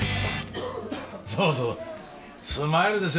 そうそうスマイルですよ